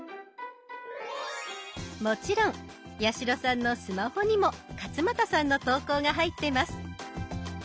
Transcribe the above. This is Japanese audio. もちろん八代さんのスマホにも勝俣さんの投稿が入ってます。